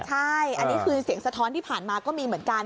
ใช่อันนี้คือเสียงสะท้อนที่ผ่านมาก็มีเหมือนกัน